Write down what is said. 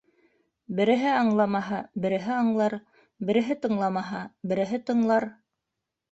Береһе аңламаһа, береһе аңлар, береһе тыңламаһа, береһе тыңлар...